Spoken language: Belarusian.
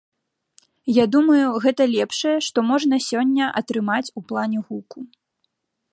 Я думаю, гэта лепшае, што можна сёння атрымаць у плане гуку.